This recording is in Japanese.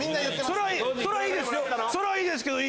それはいいですけど。